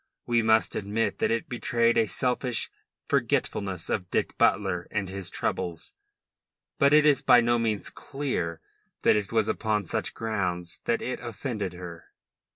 We must admit that it betrayed a selfish forgetfulness of Dick Butler and his troubles, but it is by no means clear that it was upon such grounds that it offended her.